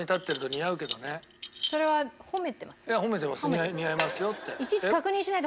似合いますよって。